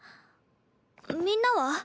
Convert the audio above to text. みんなは？